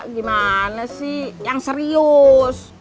gimana sih yang serius